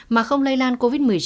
mà không lây lan covid một mươi chín